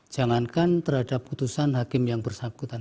jangankan terhadap putusan hakim yang bersangkutan